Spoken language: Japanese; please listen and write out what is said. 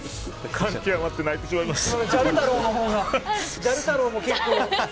感極まって泣いてしまいました。